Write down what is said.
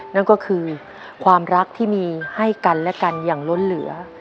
นั่นก็คือความรักที่มีให้กันและกันอย่างล้นเหลือ